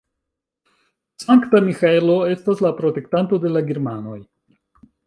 Sankta Miĥaelo estas la protektanto de la germanoj.